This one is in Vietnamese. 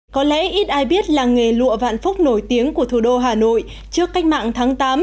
có lẽ ít ai biết làng nghề lụa vạn phúc nổi tiếng của thủ đô hà nội trước cách mạng tháng tám